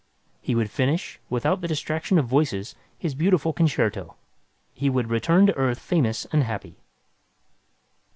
He would finish, without the distraction of voices, his beautiful concerto. He would return to Earth famous and happy.